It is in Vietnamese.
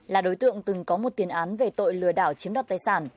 là đối tượng từng có một tiền án về tội lừa đảo chiếm đoạt tài sản